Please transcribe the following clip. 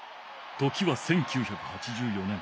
時は１９８４年。